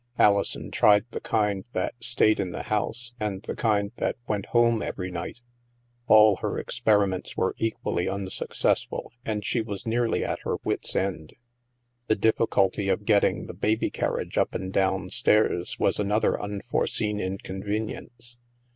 Alison tried the kind that stayed in the house and the kind that went home every night All her experiments were equally un successful, and she was nearly at her wits* end. The difficulty of getting the baby carriage up and down stairs was another unforeseen inconvenience.